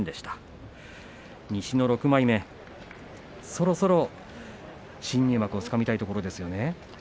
そろそろ新入幕をつかみたいところですよね。